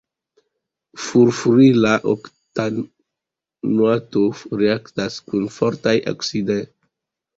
Furfurila oktanoato reakcias kun fortaj oksidigagentoj kaj fortaj bazoj.